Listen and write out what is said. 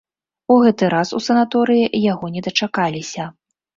У гэты раз у санаторыі яго не дачакаліся.